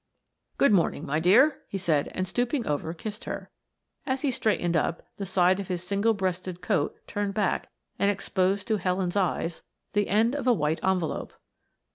"Good morning, my dear," he said and, stooping over, kissed her. As he straightened up, the side of his single breasted coat turned back and exposed to Helen's bright eyes the end of a white envelope.